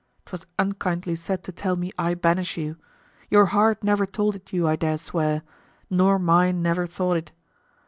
'Twas unkindly said to tell me I banish you; your heart never told it you, I dare swear; nor mine ne'er thought it.